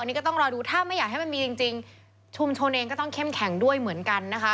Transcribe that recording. นี่ก็ต้องรอดูถ้าไม่อยากให้มันมีจริงชุมชนเองก็ต้องเข้มแข็งด้วยเหมือนกันนะคะ